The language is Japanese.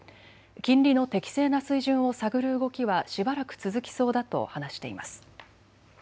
金利の適正な水準を探る動きはしばらく続きそうだと話しています。